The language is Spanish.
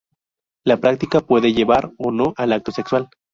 La práctica puede llevar, o no al acto sexual.